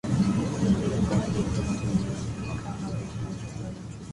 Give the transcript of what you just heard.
Fue un político e ingeniero mexicano, oriundo del estado de Chihuahua.